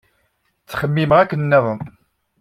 Ttxemmimeɣ akken nniḍen.